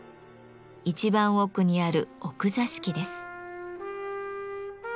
一番奥にある「奥座敷」です。